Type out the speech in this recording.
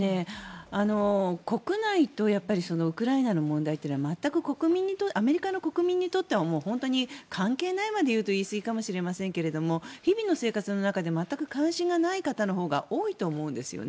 国内とウクライナの問題って全くアメリカの国民にとっては本当に関係ないまで言うと言い過ぎかもしれませんけれども日々の生活の中で全く関心のない方のほうが多いと思うんです。